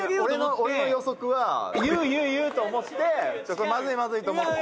「俺の予測は言う言う言うと思ってまずいまずいと思って」